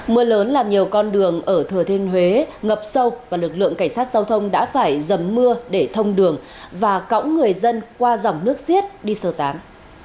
mưa lớn làm nhiều con đường ở thừa thiên huế ngập sâu và lực lượng cảnh sát giao thông đã phải dầm mưa để thông đường và cõng người dân qua dòng nước xiết đi sơ tán